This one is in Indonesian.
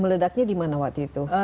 meledaknya di mana waktu itu